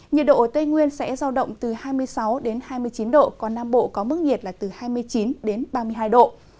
nhiệt độ ở tây nguyên sẽ giao động từ hai mươi sáu đến hai mươi chín độ còn nam bộ có mức nhiệt là từ hai mươi chín đến ba mươi hai độ